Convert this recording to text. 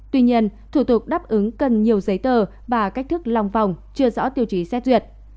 tuy nhiên thủ tục đáp ứng cần nhiều giấy tờ và cách thức lòng vòng chưa rõ tiêu chí xét duyệt